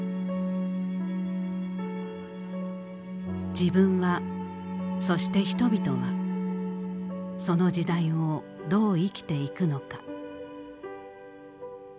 自分はそして人々はその時代をどう生きていくのか。